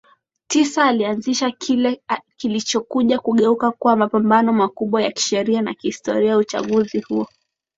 tisa alianzisha kile kilichokuja kugeuka kuwa mapambano makubwa ya kisheria ya kihistoriaUchaguzi huo